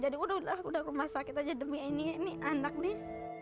jadi udah lah udah ke rumah sakit aja demi ini anak dia